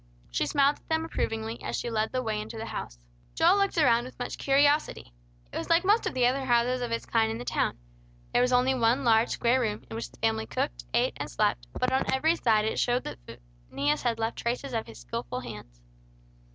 She smiled at them approvingly, as she led the way into the house. Joel looked around with much curiosity. It was like most of the other houses of its kind in the town. There was only one large square room, in which the family cooked, ate, and slept; but on every side it showed that Phineas had left traces of his skilful hands.